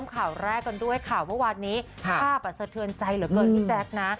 ข่าวแรกกันด้วยข่าวเมื่อวานนี้ภาพสะเทือนใจเหลือเกินพี่แจ๊คนะ